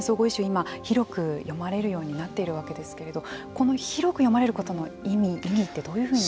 今、広く読まれるようになっているわけですけれどもこの広く読まれることの意味意義ってどういうふうに。